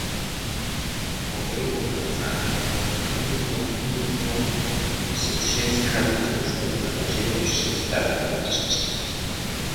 Wobej wuměłca wuznamjenjowajotej se pśez kradu typiske zamóženje pśedstajiwosći.